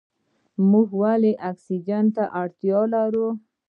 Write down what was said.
موږ ولې اکسیجن ته اړتیا لرو؟